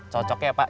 cocok ya pak